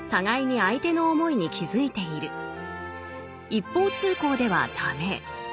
一方通行では駄目。